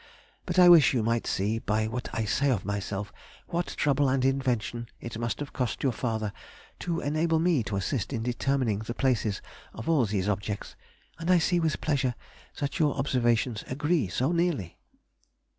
But I wish you might see, by what I say of myself, what trouble and invention it must have cost your father to enable me to assist in determining the places of all these objects, and I see with pleasure that your observations agree so nearly.